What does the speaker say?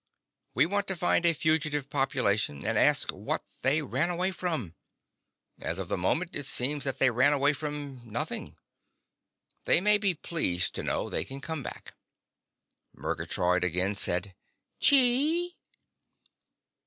"We want to find a fugitive population and ask what they ran away from. As of the moment, it seems that they ran away from nothing. They may be pleased to know they can come back." Murgatroyd again said, "Chee!"